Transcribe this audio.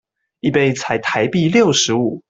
一杯才台幣六十五